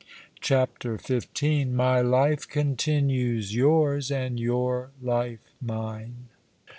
CHAPTER XV. >"my life continues yours, and your life mine."